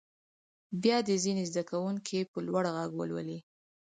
بیا دې ځینې زده کوونکي په لوړ غږ ولولي.